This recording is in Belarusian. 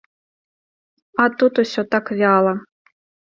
А тут усё так вяла.